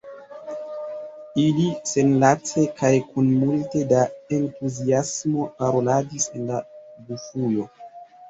Ili senlace kaj kun multe da entuziasmo paroladis en la Gufujo.